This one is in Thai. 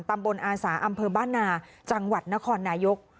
อาสาอำเภอบ้านนาจังหวัดนครนายก